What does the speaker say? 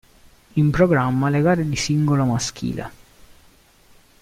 In programma le gare di singolo maschile.